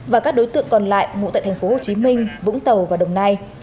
và các đối tượng còn lại ngụ tại tp hồ chí minh vũng tàu và đồng nai